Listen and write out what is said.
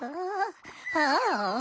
ああ。